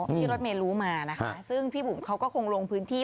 ที่รถเมย์รู้มานะคะซึ่งพี่บุ๋มเขาก็คงลงพื้นที่